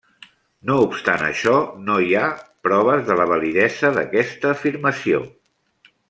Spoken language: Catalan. No obstant això no hi ha proves de la validesa d'aquesta afirmació.